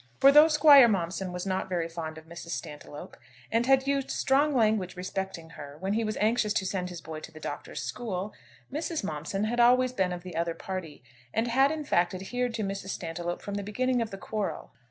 For though Squire Momson was not very fond of Mrs. Stantiloup, and had used strong language respecting her when he was anxious to send his boy to the Doctor's school, Mrs. Momson had always been of the other party, and had in fact adhered to Mrs. Stantiloup from the beginning of the quarrel.